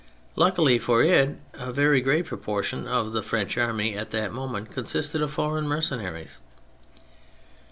Luckily for it, a very great proportion of the French army at that moment consisted of foreign mercenaries.